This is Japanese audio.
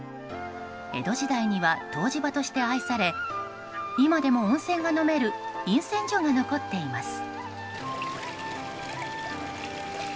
江戸時代には湯治場として愛され今でも温泉が飲める飲泉所が残っています。